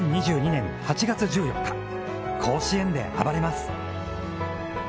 ２０２２年８月１４日、甲子園で暴れます。